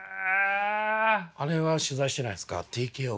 あれは取材してないですか？